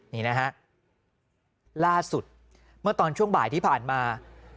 นี่นะฮะล่าสุดเมื่อตอนช่วงบ่ายที่ผ่านมา